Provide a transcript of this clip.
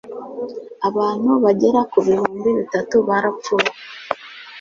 abantu bagera ku bihumbi bitatu barapfuye